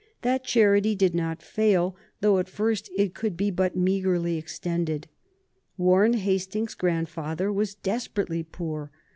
That charity did not fail, though at first it could be but meagrely extended. Warren Hastings's grandfather was desperately poor.